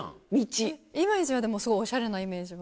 イメージはでもすごいオシャレなイメージが。